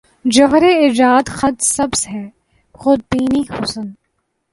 جوہر ایجاد خط سبز ہے خود بینیٔ حسن